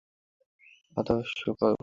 অত্যাবশ্যক কর্মকান্ডগুলোর অবনতি ঘটছে।